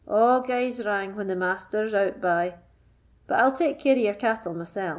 "A' gaes wrang when the Master's out bye; but I'll take care o' your cattle mysell."